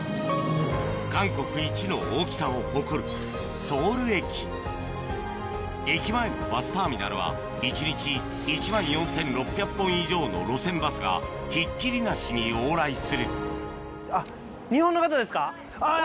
韓国いちの大きさを誇る駅前のバスターミナルは一日１万４６００本以上の路線バスがひっきりなしに往来するはい。